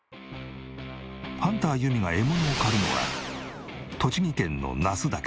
ハンターゆみが獲物を狩るのは栃木県の那須岳。